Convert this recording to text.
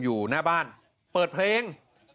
อยู่หน้าบ้านเปิดเพลง